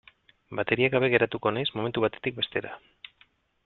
Bateria gabe geratuko naiz momentu batetik bestera.